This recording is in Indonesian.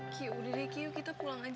ki udah deh ki yuk kita pulang aja yuk ki